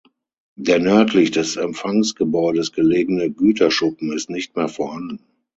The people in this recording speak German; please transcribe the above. Der nördlich des Empfangsgebäudes gelegene Güterschuppen ist nicht mehr vorhanden.